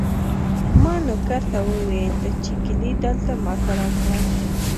ما نوکر ته وویل چې کیلي دلته ما ته راکړه.